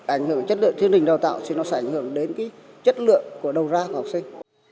ảnh hưởng đến chất lượng của chương trình đào tạo thì nó sẽ ảnh hưởng đến cái chất lượng của đầu ra học sinh